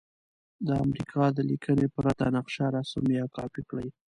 د امریکا د لیکنې پرته نقشه رسم یا کاپې کړئ.